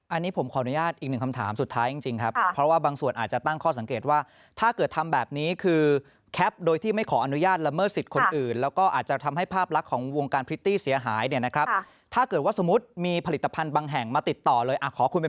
อันนี้ผมขออนุญาตอีกหนึ่งคำถามสุดท้ายจริงครับเพราะว่าบางส่วนอาจจะตั้งข้อสังเกตว่าถ้าเกิดทำแบบนี้คือแคปโดยที่ไม่ขออนุญาตละเมิดสิทธิ์คนอื่นแล้วก็อาจจะทำให้ภาพลักษณ์ของวงการพริตตี้เสียหายเนี่ยนะครับถ้าเกิดว่าสมมุติมีผลิตภัณฑ์บางแห่งมาติดต่อเลยอ่ะขอคุณเป็น